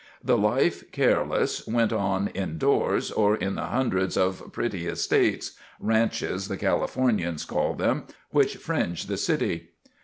The life careless went on indoors or in the hundreds of pretty estates "ranches" the Californians called them which fringe the city.